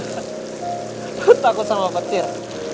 lo takut sama petir